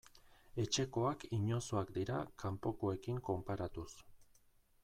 Etxekoak inozoak dira kanpokoekin konparatuz.